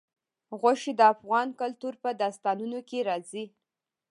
غوښې د افغان کلتور په داستانونو کې راځي.